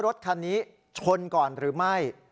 รถคันนี้ชนก่อนหรือไม่